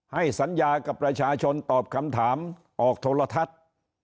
ให้สัญญากับประชาชนตอบคำถามออกโทรทัศน์